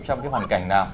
trong cái hoàn cảnh nào